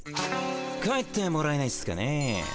帰ってもらえないっすかね。